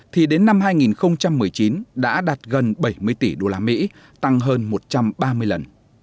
thì đến năm hai nghìn một mươi chín đã đạt gần bảy mươi tỷ đô la mỹ tăng hơn một trăm ba mươi lần